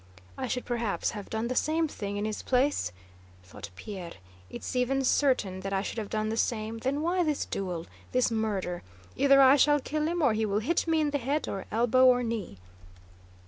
"I should perhaps have done the same thing in his place," thought Pierre. "It's even certain that I should have done the same, then why this duel, this murder? Either I shall kill him, or he will hit me in the head, or elbow, or knee.